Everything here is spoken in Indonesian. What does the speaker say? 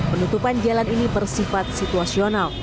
penutupan jalan ini bersifat situasional